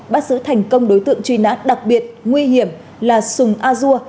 bắt giữ thành công đối tượng truy nã đặc biệt nguy hiểm là sùng a dua